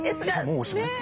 もうおしまい？